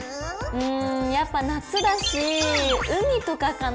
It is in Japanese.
うんやっぱ夏だし海とかかな。